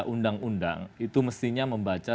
undang undang itu mestinya membaca